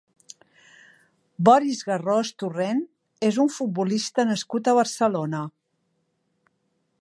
Boris Garrós Torrent és un futbolista nascut a Barcelona.